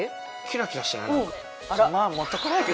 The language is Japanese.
キラキラしてない？